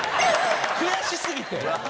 悔しすぎて。